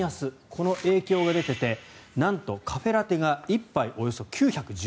この影響が出ていてなんとカフェラテが１杯およそ９１０円。